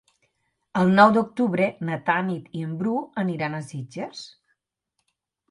El nou d'octubre na Tanit i en Bru aniran a Sitges.